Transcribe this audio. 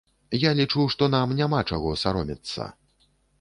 Я лічу, што нам няма чаго саромецца.